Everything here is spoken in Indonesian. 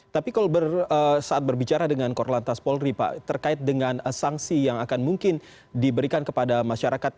tapi kalau saat berbicara dengan korlantas polri pak terkait dengan sanksi yang akan mungkin diberikan kepada masyarakat